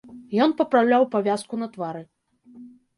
Ён папраўляў павязку на твары.